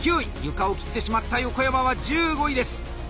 床を切ってしまった横山は１５位です。